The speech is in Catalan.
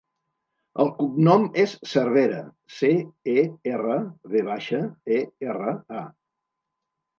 El cognom és Cervera: ce, e, erra, ve baixa, e, erra, a.